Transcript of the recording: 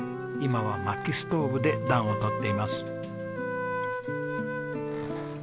今は薪ストーブで暖を取っています。